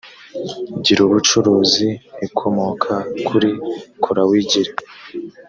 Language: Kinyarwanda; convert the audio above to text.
girubucuruzi ikomoka kuri kora wigire